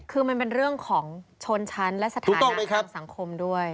คือมันเป็นเรื่องของชนชั้นและสถานะทางสังคมด้วย